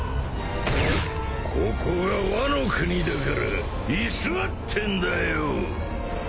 ここがワノ国だから居座ってんだよ！